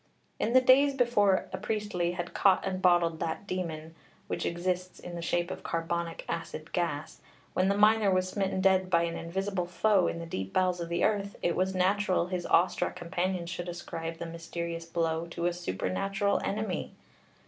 In the days before a Priestley had caught and bottled that demon which exists in the shape of carbonic acid gas, when the miner was smitten dead by an invisible foe in the deep bowels of the earth it was natural his awestruck companions should ascribe the mysterious blow to a supernatural enemy.